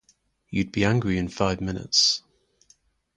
You'd be angry in five minutes.